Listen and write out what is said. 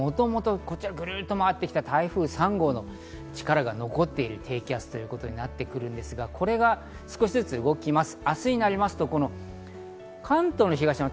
そして、こちらの低気圧、ぐるっと回ってきた元台風３号が力を持っている低気圧となっているんですが、少しずつ動きます。